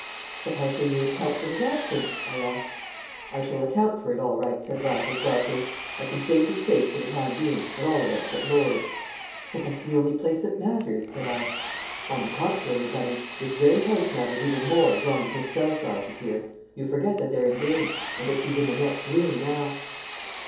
"But how shall you account for his absence?" I asked. "I shall account for it all right," said Raffles darkly. "I can save his face for the time being, at all events at Lord's." "But that's the only place that matters," said I. "On the contrary, Bunny, this very house matters even more as long as Miss Belsize is here. You forget that they're engaged, and that she's in the next room now."